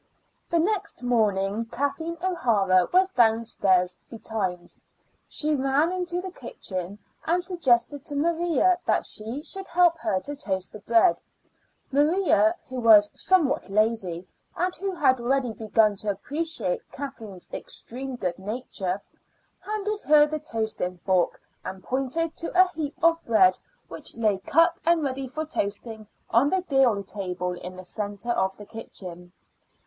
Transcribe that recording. The next morning Kathleen O'Hara was downstairs betimes. She ran into the kitchen and suggested to Maria that she should help her to toast the bread. Maria, who was somewhat lazy, and who had already begun to appreciate Kathleen's extreme good nature, handed her the toasting fork and pointed to a heap of bread which lay cut and ready for toasting on the deal table in the center of the kitchen.